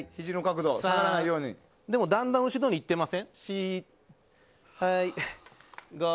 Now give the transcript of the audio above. でも、だんだん後ろにいってません？